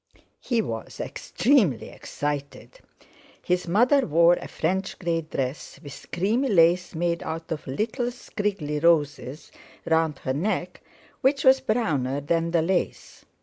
He was extremely excited. His mother wore a French grey dress, with creamy lace made out of little scriggly roses, round her neck, which was browner than the lace.